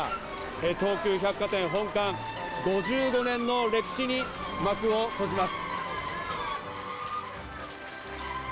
東急百貨店本館、５５年の歴史に幕を閉じます。